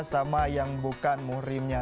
sama yang bukan muhrimnya